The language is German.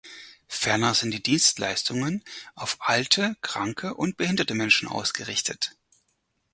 Ferner sind die Dienstleistungen auf alte, kranke und behinderte Menschen ausgerichtet.